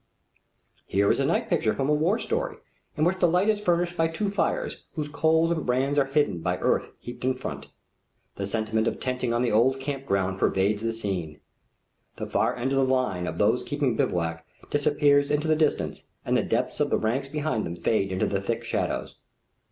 Here is a night picture from a war story in which the light is furnished by two fires whose coals and brands are hidden by earth heaped in front. The sentiment of tenting on the old camp ground pervades the scene. The far end of the line of those keeping bivouac disappears into the distance, and the depths of the ranks behind them fade into the thick shadows.